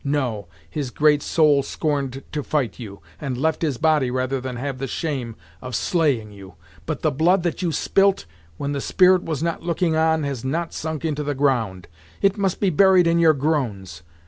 No his great soul scorned to fight you, and left his body rather than have the shame of slaying you! But the blood that you spilt when the spirit was not looking on, has not sunk into the ground. It must be buried in your groans.